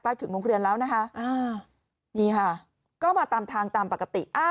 ถึงโรงเรียนแล้วนะคะนี่ค่ะก็มาตามทางตามปกติ